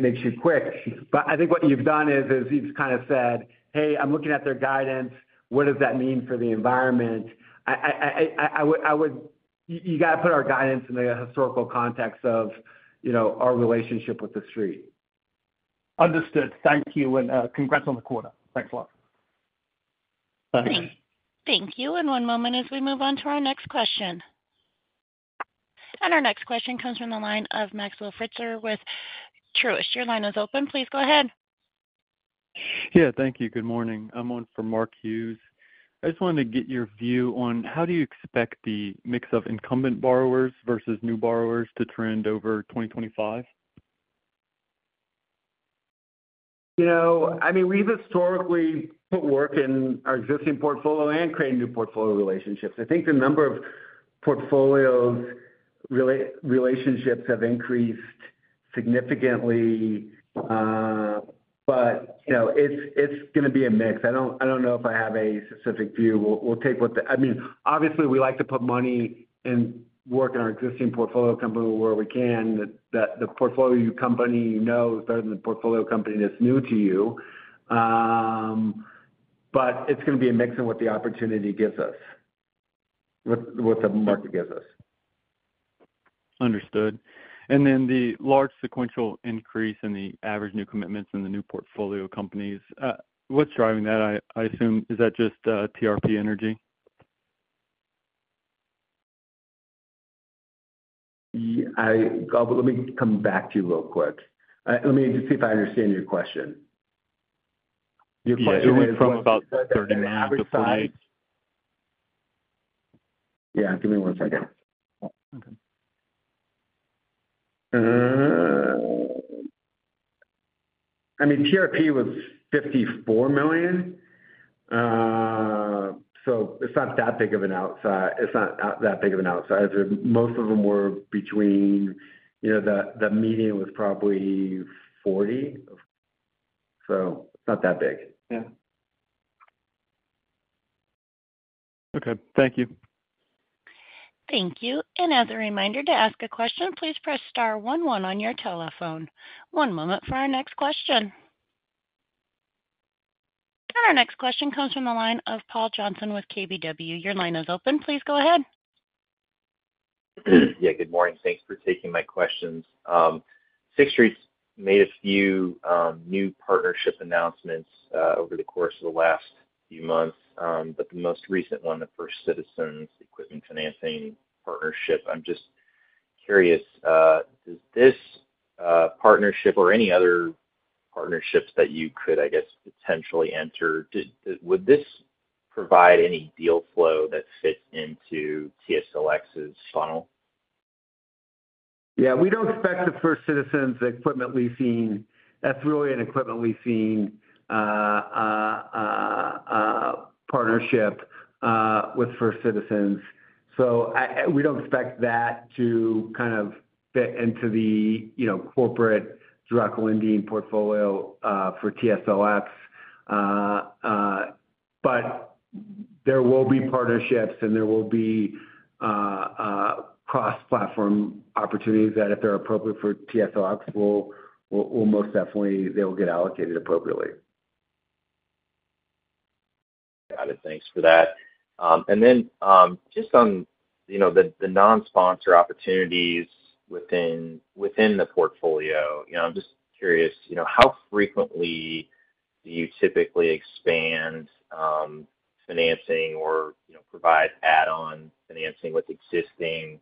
makes you quick. But I think what you've done is you've kind of said, "Hey, I'm looking at their guidance. What does that mean for the environment? You got to put our guidance in the historical context of our relationship with the Street. Understood. Thank you. And congrats on the quarter. Thanks a lot. Thanks. Thank you, and one moment as we move on to our next question, and our next question comes from the line of Maxwell Fritscher with Truist. Your line is open. Please go ahead. Yeah. Thank you. Good morning. I'm on for Mark Hughes. I just wanted to get your view on how do you expect the mix of incumbent borrowers versus new borrowers to trend over 2025? I mean, we've historically put work in our existing portfolio and created new portfolio relationships. I think the number of portfolio relationships have increased significantly, but it's going to be a mix. I don't know if I have a specific view. We'll take what the—I mean, obviously, we like to put money and work in our existing portfolio company where we can. The portfolio company you know better than the portfolio company that's new to you. But it's going to be a mix of what the opportunity gives us, what the market gives us. Understood. And then the large sequential increase in the average new commitments in the new portfolio companies, what's driving that, I assume? Is that just TRP Energy? Let me come back to you real quick. Let me just see if I understand your question. Your question was about 39 before I. Yeah, give me one second. I mean, TRP was $54 million. So it's not that big of an outlier. Most of them were between. The median was probably 40. So it's not that big. Yeah. Okay. Thank you. Thank you. And as a reminder to ask a question, please press star 11 on your telephone. One moment for our next question. And our next question comes from the line of Paul Johnson with KBW. Your line is open. Please go ahead. Yeah. Good morning. Thanks for taking my questions. Sixth Street's made a few new partnership announcements over the course of the last few months, but the most recent one, the First Citizens Equipment Financing Partnership. I'm just curious, does this partnership or any other partnerships that you could, I guess, potentially enter, would this provide any deal flow that fits into TSLX's funnel? Yeah. We don't expect the First Citizens Equipment Leasing. That's really an equipment leasing partnership with First Citizens. So we don't expect that to kind of fit into the corporate direct lending portfolio for TSLX. But there will be partnerships, and there will be cross-platform opportunities that, if they're appropriate for TSLX, will most definitely, they will get allocated appropriately. Got it. Thanks for that. And then just on the non-sponsor opportunities within the portfolio, I'm just curious, how frequently do you typically expand financing or provide add-on financing with existing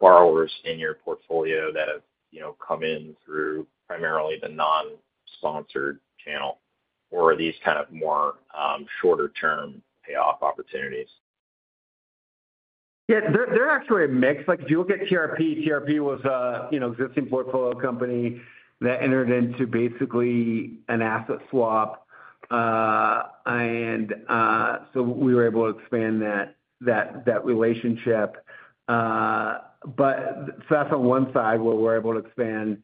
borrowers in your portfolio that have come in through primarily the non-sponsored channel? Or are these kind of more shorter-term payoff opportunities? Yeah. They're actually a mix. If you look at TRP, TRP was an existing portfolio company that entered into basically an asset swap. And so we were able to expand that relationship. But so that's on one side where we're able to expand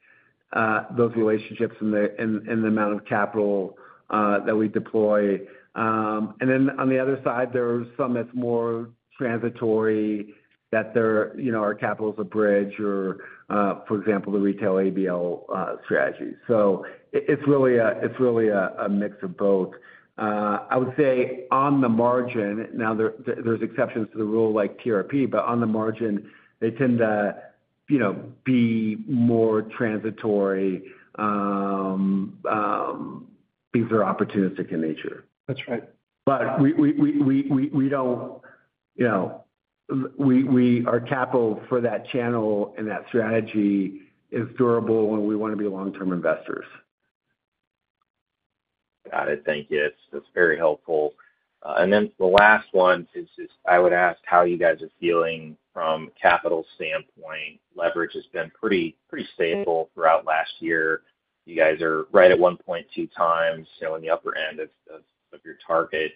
those relationships and the amount of capital that we deploy. And then on the other side, there's some that's more transitory that our capital is a bridge or, for example, the retail ABL strategy. So it's really a mix of both. I would say on the margin, now there's exceptions to the rule like TRP, but on the margin, they tend to be more transitory because they're opportunistic in nature. That's right. But we don't, our capital for that channel and that strategy is durable, and we want to be long-term investors. Got it. Thank you. That's very helpful. Then the last one is just, I would ask how you guys are feeling from a capital standpoint. Leverage has been pretty stable throughout last year. You guys are right at 1.2 times in the upper end of your target.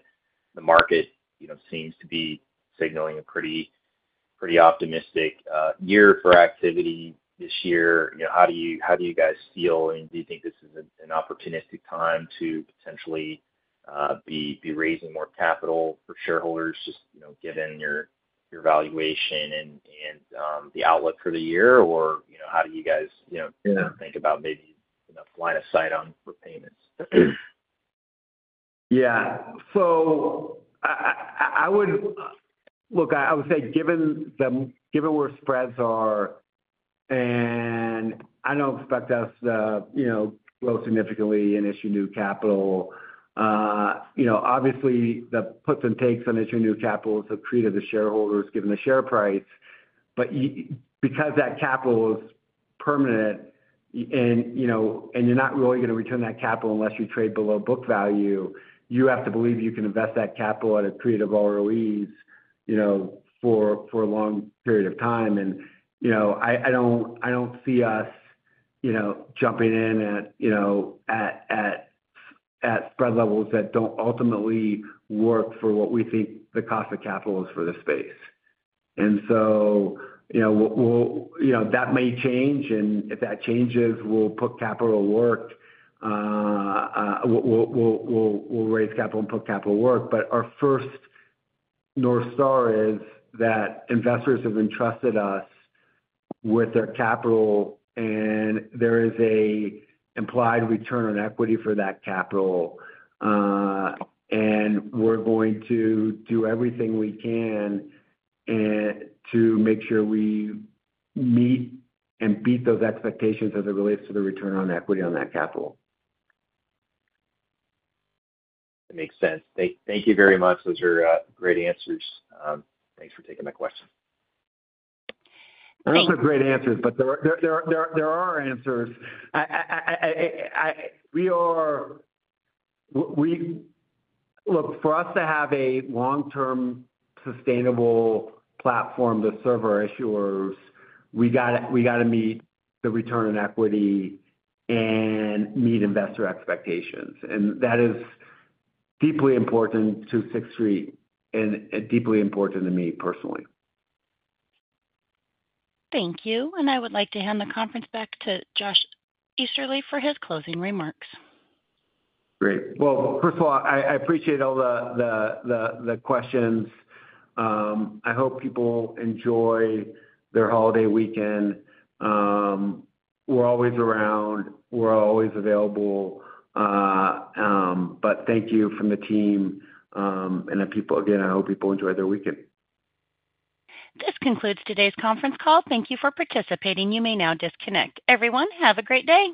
The market seems to be signaling a pretty optimistic year for activity this year. How do you guys feel, and do you think this is an opportunistic time to potentially be raising more capital for shareholders, just given your valuation and the outlook for the year? Or how do you guys think about maybe a line of sight on prepayments? Yeah. So look, I would say given where spreads are, and I don't expect us to grow significantly and issue new capital. Obviously, the puts and takes on issuing new capital have created issues for shareholders given the share price. But because that capital is permanent and you're not really going to return that capital unless you trade below book value, you have to believe you can invest that capital at attractive ROEs for a long period of time. And I don't see us jumping in at spread levels that don't ultimately work for what we think the cost of capital is for the space. And so that may change. And if that changes, we'll put capital to work. We'll raise capital and put capital to work. But our first North Star is that investors have entrusted us with their capital, and there is an implied return on equity for that capital. And we're going to do everything we can to make sure we meet and beat those expectations as it relates to the return on equity on that capital. That makes sense. Thank you very much. Those are great answers. Thanks for taking my question. Those are great answers, but there are answers. Look, for us to have a long-term sustainable platform to serve our issuers, we got to meet the return on equity and meet investor expectations, and that is deeply important to Sixth Street and deeply important to me personally. Thank you. I would like to hand the conference back to Josh Easterly for his closing remarks. Great. Well, first of all, I appreciate all the questions. I hope people enjoy their holiday weekend. We're always around. We're always available. But thank you from the team and the people. Again, I hope people enjoy their weekend. This concludes today's conference call. Thank you for participating. You may now disconnect. Everyone, have a great day.